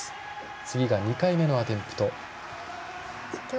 次が２回目のアテンプト。